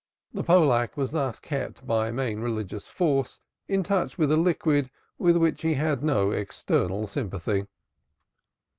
The Pollack was thus kept by main religious force in touch with a liquid with which he had no external sympathy.